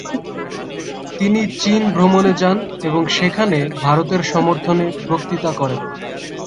তিনি চীন ভ্রমণে যান এবং সেখানে ভারতের সমর্থনে বক্তৃতা করেন।